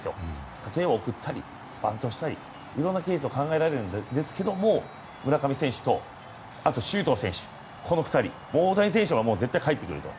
例えば送ったり、バントしたりいろんなケースが考えられるんですが村上選手と周東選手、この２人大谷選手は絶対かえってくると。